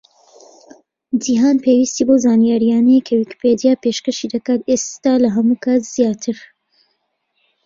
جیهان پێویستی بەو زانیاریانەیە کە ویکیپیدیا پێشکەشی دەکات، ئێستا لە هەموو کات زیاتر.